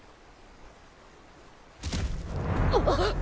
あっ！